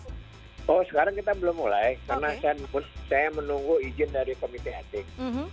oh sekarang kita belum mulai karena saya menunggu izin dari komite etik